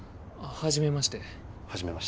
初めまして。